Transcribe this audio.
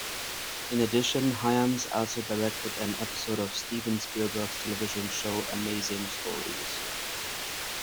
In addition, Hyams also directed an episode of Steven Spielberg's television show, "Amazing Stories".